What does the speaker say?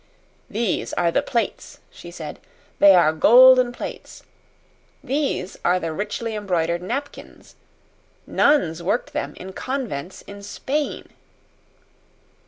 "These are the plates," she said. "They are golden plates. These are the richly embroidered napkins. Nuns worked them in convents in Spain."